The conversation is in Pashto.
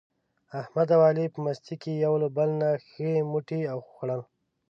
احمد او علي په مستۍ کې یو له بل نه ښه موټي و خوړل.